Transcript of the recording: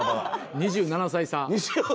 ２７歳差。